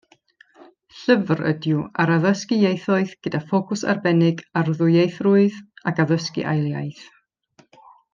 Llyfr ydyw ar addysgu ieithoedd gyda ffocws arbennig ar ddwyieithrwydd ac addysgu ail iaith.